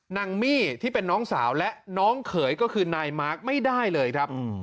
ยังมี่ที่เป็นน้องสาวและน้องเขยก็คือนายมาร์คไม่ได้เลยครับ